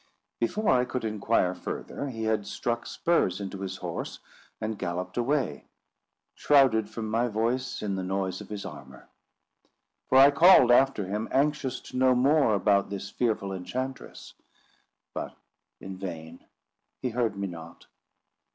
'" Before I could inquire further, he had struck spurs into his horse and galloped away, shrouded from my voice in the noise of his armour. For I called after him, anxious to know more about this fearful enchantress; but in vain—he heard me not.